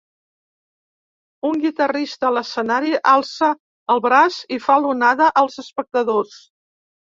Un guitarrista a l'escenari alça el braç i fa l'onada als espectadors.